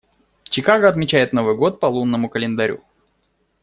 Чикаго отмечает Новый год по лунному календарю.